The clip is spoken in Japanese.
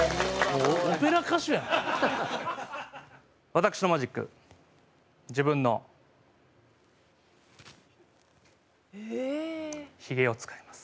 私のマジック自分のヒゲを使います。